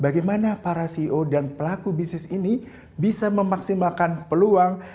bagaimana para ceo dan pelaku bisnis ini bisa memaksimalkan peluang